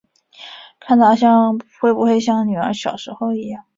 看她会不会像女儿小时候一样